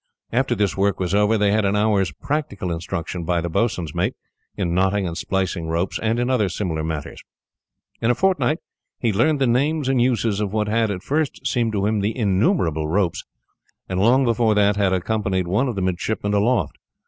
After this work was over, they had an hour's practical instruction by the boatswain's mate, in knotting and splicing ropes, and in other similar matters. In a fortnight, he had learned the names and uses of what had, at first, seemed to him the innumerable ropes; and long before that, had accompanied one of the midshipmen aloft.